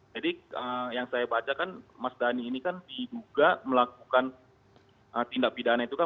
jadi yang saya baca kan mas dhani ini kan diduga melakukan tindak pidaannya itu kan